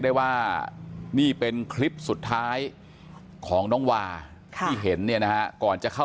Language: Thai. ได้ว่านี่เป็นคลิปสุดท้ายของน้องวาที่เห็นเนี่ยนะฮะก่อนจะเข้า